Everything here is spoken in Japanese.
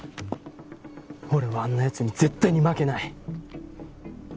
俺はあんな奴に絶対に負けない！